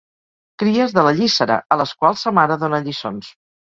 Cries de la llíssera a les quals sa mare dóna lliçons.